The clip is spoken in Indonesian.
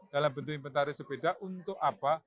dalam bentuk inventaris sepeda untuk apa